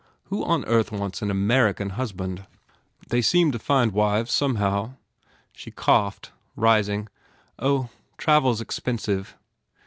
Who on earth wants an Amer ican husband?" "They seem to find wives, somehow." She coughed, rising, "Oh, travel s expensive."